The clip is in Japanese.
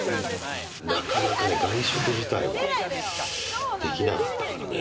なかなかね外食自体はできなかったからね。